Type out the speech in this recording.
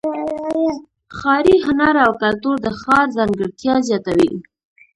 ښاري هنر او کلتور د ښار ځانګړتیا زیاتوي.